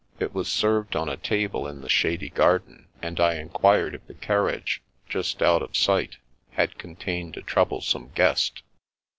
It was served on a table in the shady garden, and I enquired if the carriage just out of sight had contained a troublesome guest.